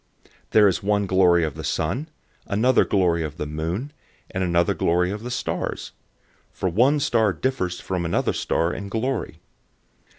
015:041 There is one glory of the sun, another glory of the moon, and another glory of the stars; for one star differs from another star in glory.